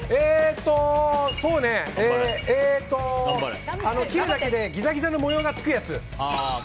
そうねえっと切るだけでギザギザの模様がつくやつ。